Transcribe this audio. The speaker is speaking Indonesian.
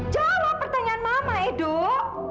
jawab pertanyaan mama edo